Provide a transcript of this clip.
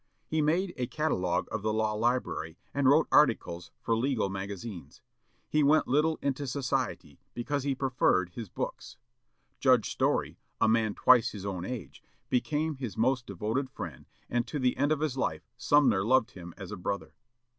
He made a catalogue of the law library, and wrote articles for legal magazines. He went little into society, because he preferred his books. Judge Story, a man twice his own age, became his most devoted friend, and to the end of his life Sumner loved him as a brother.